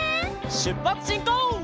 しゅっぱつしんこう！